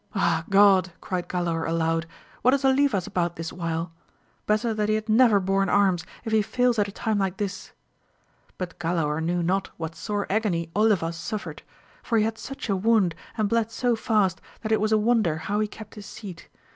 Ah, God, cried Galaor aloud, what is Olivas about this while ! better that he had never borne arms, if he fails at a time like this ! But Galaor knew not what sore agony Olivas suffered ; for he had such a wound, and bled so fast, that it was a wonder how he kept his seat.